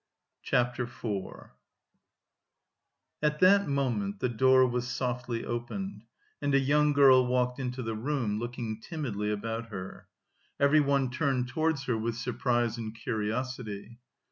CHAPTER IV At that moment the door was softly opened, and a young girl walked into the room, looking timidly about her. Everyone turned towards her with surprise and curiosity.